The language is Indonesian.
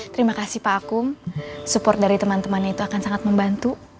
terima kasih pak akung support dari teman teman itu akan sangat membantu